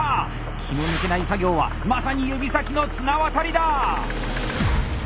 気の抜けない作業はまさに指先の綱渡りだ！